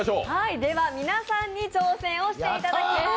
では、皆さんに挑戦をしていただきます。